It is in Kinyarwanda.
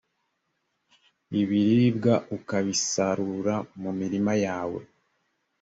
ibiribwa ukabisarura mu mirima yawe.